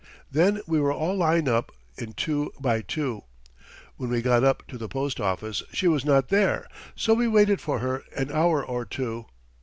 Then we were all line up in two by two. When we got up to the Post Office she was not there so we waited for her an hour or two.